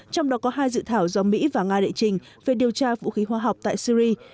trong đó có hai dự thảo do mỹ và nga đệ trình về điều tra vũ khí hóa học tại syri